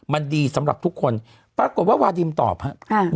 มันดีสำหรับทุกคนปรากฏว่าวาดิมตอบครับ